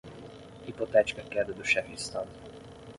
Hipotética queda do chefe de Estado